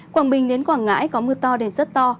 quảng bình đến quảng ngãi có mưa to đến rất to